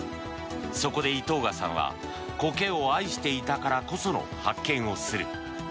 そこで井藤賀さんはコケを愛していたからこその発見をする。